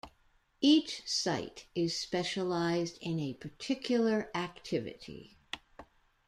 Each site is specialised in a particular activity.